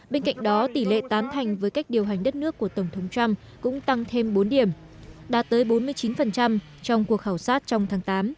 bên cạnh đó tỷ lệ tán thành với cách điều hành đất nước của tổng thống trump cũng tăng thêm bốn điểm đạt tới bốn mươi chín trong cuộc khảo sát trong tháng tám